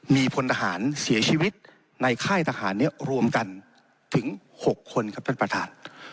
มีพลทหารเสียชีวิตในค่ายทหารเนี่ยรวมกันถึง๖คนครับท่านประธาน